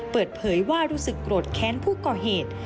เปิดเผยว่ารู้สึกโกรธแค้นผู้ก่อเหตุ